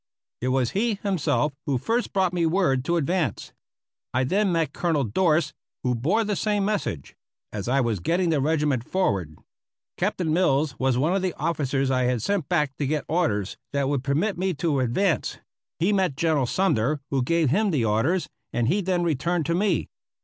It was he himself who first brought me word to advance. I then met Colonel Dorst who bore the same message as I was getting the regiment forward. Captain Mills was one of the officers I had sent back to get orders that would permit me to advance; he met General Sumner, who gave him the orders, and he then returned to me.